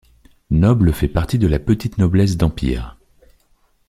Noble fait partie de la petite noblesse d'empire.